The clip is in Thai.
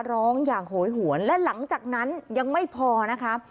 ร้องอย่างโหยหวนและหลังจากนั้นยังไม่พอนะคะ